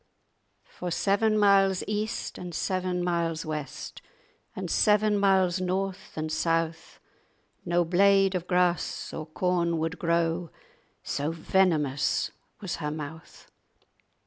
"For seven miles east, and seven miles west, And seven miles north and south, No blade of grass or corn would grow, So venomous was her mouth!"